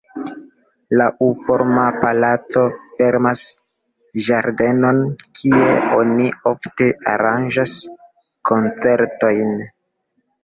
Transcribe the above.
La U-forma palaco fermas ĝardenon, kie oni ofte aranĝas koncertojn.